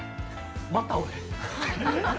また俺？